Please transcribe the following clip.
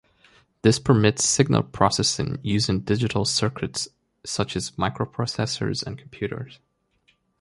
This permits signal processing using digital circuits such as microprocessors and computers.